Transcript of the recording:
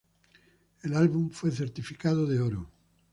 El álbum fue certificado de oro.